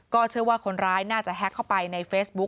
เชื่อว่าคนร้ายน่าจะแฮ็กเข้าไปในเฟซบุ๊ค